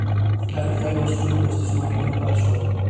افریقايي بنسټونه په استثماري بڼه پاتې شول.